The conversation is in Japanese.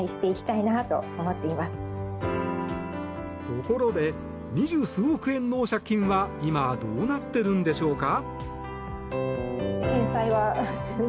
ところで二十数億円の借金は今どうなっているんでしょうか？